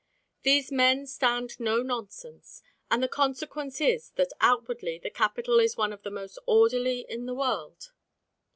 These men stand no nonsense, and the consequence is that outwardly the capital is one of the most orderly in the world.